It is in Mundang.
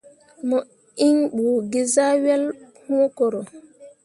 Mo inɓugezah wel wũ koro.